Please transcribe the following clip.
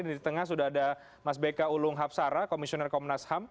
di tengah sudah ada mas beka ulung hapsara komisioner komnas ham